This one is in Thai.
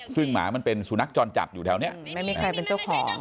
ซึ่งหมามันเป็นสุนัขจรจัดอยู่แถวนี้ไม่มีใครเป็นเจ้าของ